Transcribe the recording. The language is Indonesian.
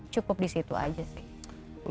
cukup di situ aja sih